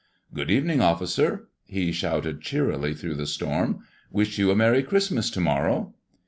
"Good evening, officer!" he shouted cheerily, through the storm. "Wish you a Merry Christmas to morrow."